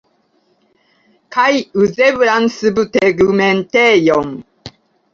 Kaj uzeblan subtegmentejon.